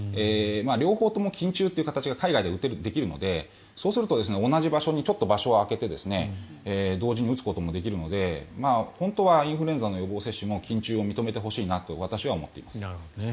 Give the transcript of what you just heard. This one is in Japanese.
両方とも筋注というかたちが海外でできるのでそうすると、同じ場所で違うものを同時に打つこともできるので本当はインフルエンザの予防注射も筋注を認めてほしいなと私は思っています。